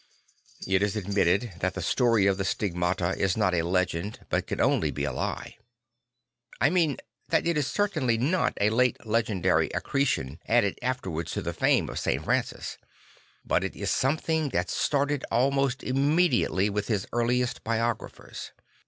I t is admitted that the story of the Stigmata is not a legend but can only be a lie. I mean that it is certainly not a late legendary accretion added afterwards to the fame of St. Francis; but is something that started almost immediately with his earliest biographers.